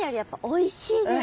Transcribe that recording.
おいしい！